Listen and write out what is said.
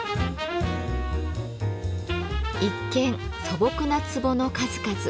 一見素朴な壺の数々。